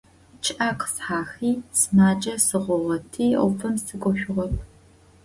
ЧъыӀэ къысхэхьи, сымаджэ сыхъугъэти Ӏофым сыкӀошъугъэп.